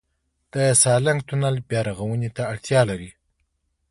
د سالنګ تونل بیارغونې ته اړتیا لري؟